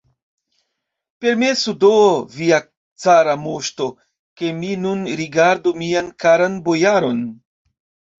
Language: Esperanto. Permesu do, via cara moŝto, ke mi nun rigardu mian karan bojaron!